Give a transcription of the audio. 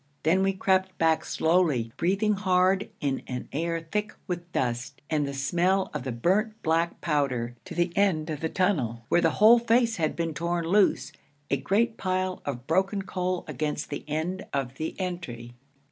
Then we crept back slowly, breathing hard in an air thick with dust and the smell of the burnt black powder, to the end of the tunnel, where the whole face had been torn loose a great pile of broken coal against the end of the entry.